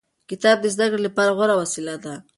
کتاب د زده کړې لپاره غوره وسیله ده.